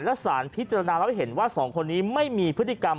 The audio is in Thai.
และศาลพิจารณาและเข้าใจว่า๒คนนี้ไม่มีพฤติกรรม